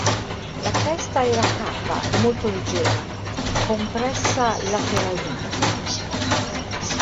La cresta era cava e molto leggera, compressa lateralmente.